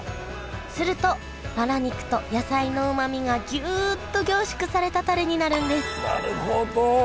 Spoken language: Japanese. するとバラ肉と野菜のうまみがギュッと凝縮されたタレになるんですなるほど。